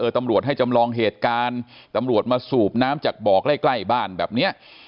ตำรวจให้จำลองเหตุการณ์ตำรวจมาสูบน้ำจากบ่อใกล้ใกล้บ้านแบบนี้